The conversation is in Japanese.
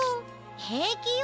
へいきよ。